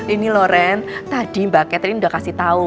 ini loren tadi mbak catherine udah kasih tahu